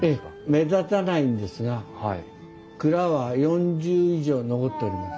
目立たないんですが蔵は４０以上残っております。